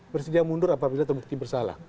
bersedia mundur apabila terbukti bersalah